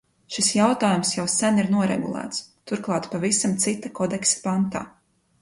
Šis jautājums jau sen ir noregulēts, turklāt pavisam citā kodeksa pantā.